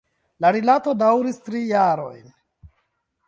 La rilato daŭris tri jarojn.